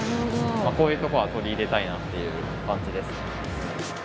まあこういうとこは取り入れたいなっていう感じですね。